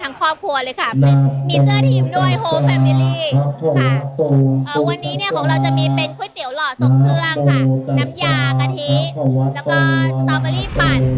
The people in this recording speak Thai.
จริงแล้วมีความรู้สึกว่าเราต้องรู้จักเป็นครูไฮบ้าง